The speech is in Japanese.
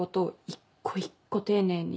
一個一個丁寧に。